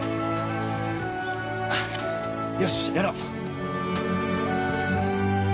よしやろう！